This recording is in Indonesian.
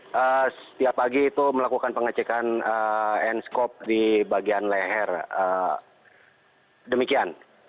ya setiap pagi itu melakukan pengecekan n scope di bagian leher demikian